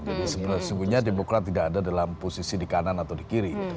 jadi sebetulnya demokrat tidak ada dalam posisi di kanan atau di kiri